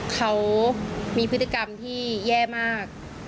เขามีพฤติกรรมที่แย่มาก